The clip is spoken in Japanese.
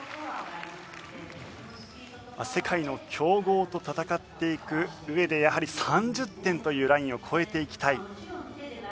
世界の強豪と戦っていく上でやはり３０点というラインを超えていきたい。